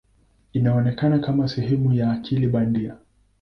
Inaonekana kama sehemu ya akili bandia.